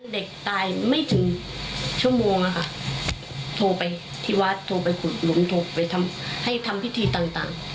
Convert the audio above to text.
เด็กตายไม่ถึงถูกโทรไปทำพิธีต่าง